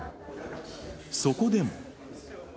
そこでも。